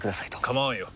構わんよ。